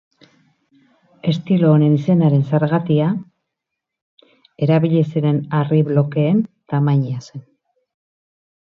Estilo honen izenaren zergatia, erabili ziren harri blokeen tamaina zen.